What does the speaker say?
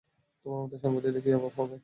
তোমার মত সাংবাদিকের কী অভাব হবে?